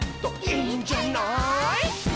「いいんじゃない」